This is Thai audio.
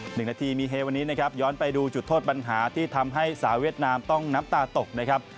หนึ่งนาทีมีเฮวันนี้นะครับย้อนไปดูจุดโทษปัญหาที่ทำให้สาวเวียดนามต้องน้ำตาตกนะครับ